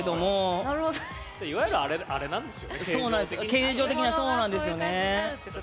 形状的にはそうなんですよねえ。